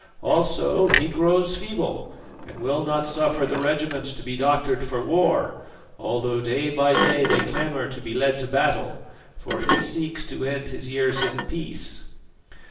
Also he grows feeble, and will not suffer the regiments to be doctored for war, although day by day they clamour to be led to battle; for he seeks to end his years in peace."